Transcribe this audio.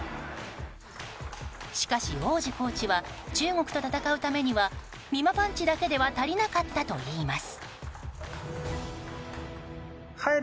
しかし、王子コーチは中国と戦うためにはみまパンチだけでは足りなかったといいます。